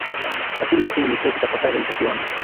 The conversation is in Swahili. Akili yake ilikuwa ikitafakari alichokiona